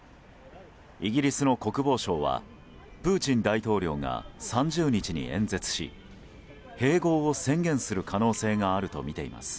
イギリスの国防省はプーチン大統領が３０日に演説し併合を宣言する可能性があるとみています。